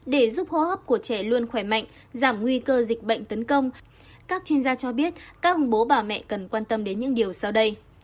để giúp hô hấp của trẻ luôn khỏe mạnh giảm nguy cơ dịch bệnh tấn công các chuyên gia cho biết các ông bố bà mẹ cần quan tâm đến những điều sau đây